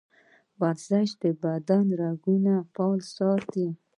ورزش د بدن رګونه فعال ساتي.